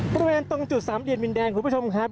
บริเวณต้นจุด๓เลียนวินแดงคุณผู้ชมครับ